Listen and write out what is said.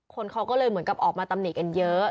คนเขาก็เลยเหมือนกับออกมาตำหนิกันเยอะ